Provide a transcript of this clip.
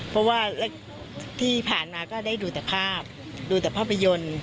เพราะว่าที่ผ่านมาก็ได้ดูแต่ภาพดูแต่ภาพยนตร์